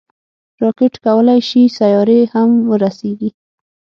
راکټ کولی شي سیارې هم ورسیږي